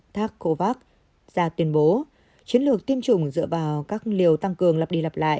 takovac ra tuyên bố chiến lược tiêm chủng dựa vào các liều tăng cường lập đi lập lại